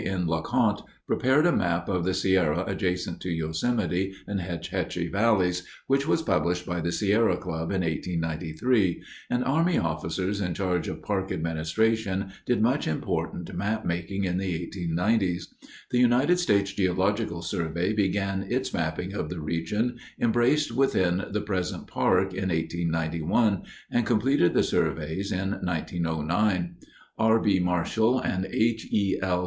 N. LeConte prepared a map of the Sierra adjacent to Yosemite and Hetch Hetchy valleys, which was published by the Sierra Club in 1893, and army officers in charge of park administration did much important map making in the 1890's. The United States Geological Survey began its mapping of the region embraced within the present park in 1891 and completed the surveys in 1909. R. B. Marshall and H. E. L.